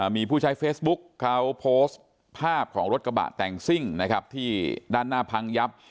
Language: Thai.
มีผู้ใช้เฟซบุ๊กเขาโพสต์ภาพของรถกระบะแต่งซิ่งนะครับที่ด้านหน้าพังยับ